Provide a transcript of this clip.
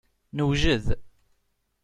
Newjed.